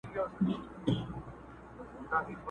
ویل بار د ژوندانه مي کړه ملا ماته؛